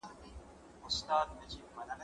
کېدای سي امادګي نيمګړی وي!؟